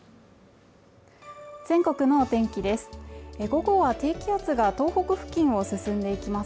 全国のお天気です